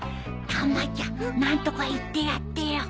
たまちゃん何とか言ってやってよ。